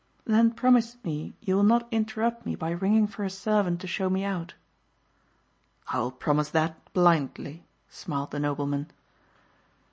"Then promise me you will not interrupt me by ringing for a servant to show me out." "I will promise that blindly," smiled the nobleman.